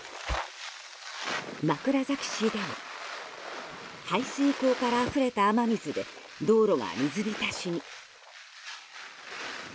枕崎市でも排水溝からあふれた雨水で道路が水浸しに。